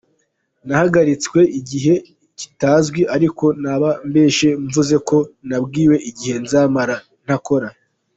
Nahagaritswe igihe kitazwi ariko naba mbeshye mvuze ko nabwiwe igihe nzamara ntakora.